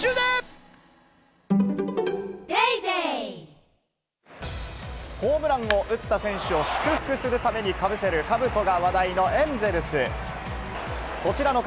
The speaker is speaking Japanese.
ニトリホームランを打った選手を祝福するためにかぶる兜が話題のエンゼルス。